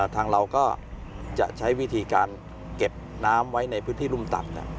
ทางเราก็จะใช้วิธีการเก็บน้ำไว้ในพื้นที่รุ่มต่ำ